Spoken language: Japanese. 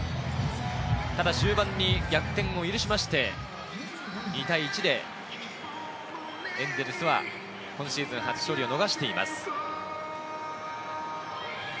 ただ終盤に逆転を許しまして、２対１でエンゼルスは今シーズン初勝利を逃しています。